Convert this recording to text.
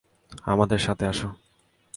আমাদের সাথে আসো।